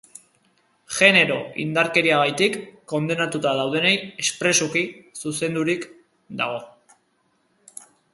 Genero indarkeriagatik kondenatuta daudenei espresuki zuzendurik dago.